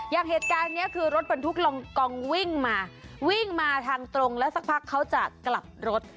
อย่างเหตุการณ์นี้คือรถบรรทุกลองกองวิ่งมาวิ่งมาทางตรงแล้วสักพักเขาจะกลับรถ